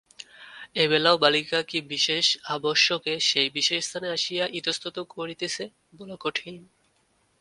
এবেলাও বালিকা কী বিশেষ আবশ্যকে সেই বিশেষ স্থানে আসিয়া ইতস্তত করিতেছে বলা কঠিন।